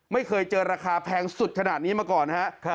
ไม่เคยเจอราคาแพงสุดขนาดนี้มาก่อนฮะ